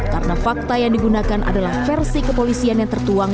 karena fakta yang digunakan adalah versi kepolisian yang tertuang